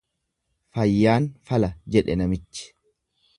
"""Fayyaan fala,"" jedhe namichi."